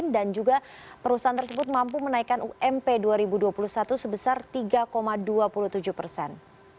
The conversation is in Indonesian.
dan juga perusahaan tersebut mampu menaikkan ump dua ribu dua puluh satu sebesar tiga dua puluh tujuh persen